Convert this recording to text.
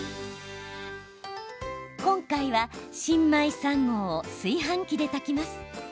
今回は新米３合を炊飯器で炊きます。